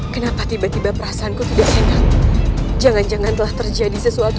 kenapa tiba tiba perasaanku tidak enak jangan jangan telah terjadi sesuatu